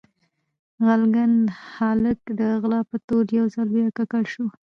غلګن هالک د غلا په تور يو ځل بيا ککړ سو